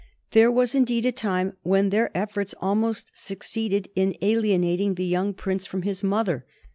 There was indeed a time when their efforts almost succeeded in alienating the young Prince from his mother.